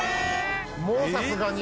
もうさすがに。